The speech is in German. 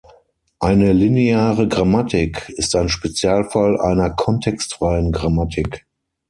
Eine lineare Grammatik ist ein Spezialfall einer kontextfreien Grammatik.